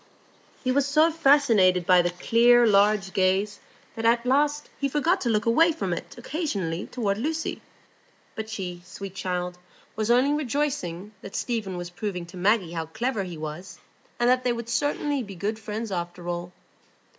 He was so fascinated by the clear, large gaze that at last he forgot to look away from it occasionally toward Lucy; but she, sweet child, was only rejoicing that Stephen was proving to Maggie how clever he was, and that they would certainly be good friends after all.